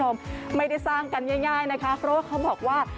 ไม่ได้สร้างกันง่ายเพราะว่าเขาบอกว่า